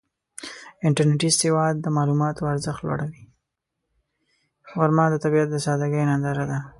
غرمه د طبیعت د سادګۍ ننداره ده